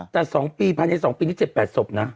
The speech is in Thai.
แต่๒ปีภายใน๒ปีนี้๗๘ศพนะ